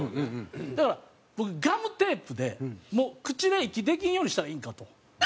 だから僕ガムテープでもう口で息できんようにしたらいいんかと。